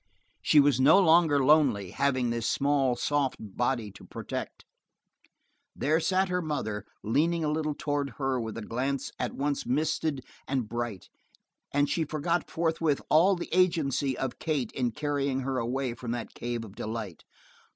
She was no longer lonely, having this small, soft body to protect. There sat her mother, leaning a little toward her with a glance at once misted and bright, and she forgot forthwith all the agency of Kate in carrying her away from that cave of delight.